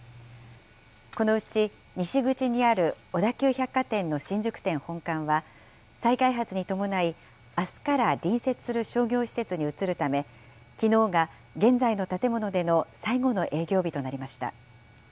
このうち西口にある小田急百貨店の新宿店本館は、再開発に伴い、あすから隣接する商業施設に移るため、きのうが現在の建物での最後の営業日となりました。